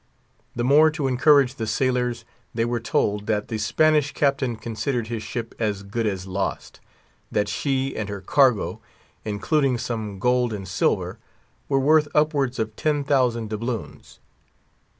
The more to encourage the sailors, they were told, that the Spanish captain considered his ship good as lost; that she and her cargo, including some gold and silver, were worth more than a thousand doubloons.